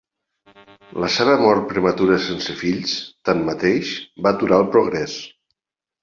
La seva mort prematura sense fills, tanmateix, va aturar el progrés.